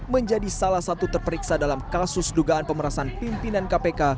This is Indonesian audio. menjadi salah satu terperiksa dalam kasus dugaan pemerasan pimpinan kpk